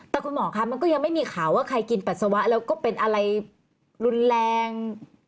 แต่คุณหมอคะมันก็ยังไม่มีข่าวว่าใครกินปัสสาวะแล้วก็เป็นอะไรรุนแรง